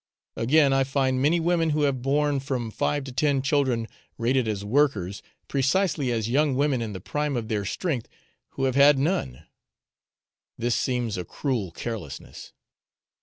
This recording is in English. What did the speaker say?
Again, I find many women who have borne from five to ten children rated as workers, precisely as young women in the prime of their strength who have had none; this seems a cruel carelessness.